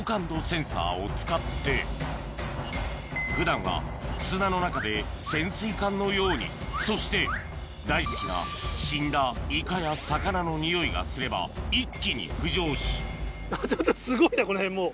センサーを使って普段は砂の中で潜水艦のようにそして大好きな死んだイカや魚のニオイがすれば一気に浮上し何これ！